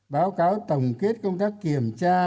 báo cáo tổng kết công tác kiểm tra